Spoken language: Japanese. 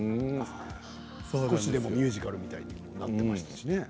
少し、でもミュージカルみたいになっていましたね。